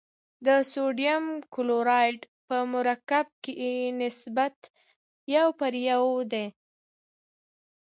د سوډیم کلورایډ په مرکب کې نسبت یو پر یو دی.